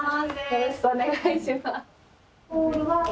よろしくお願いします。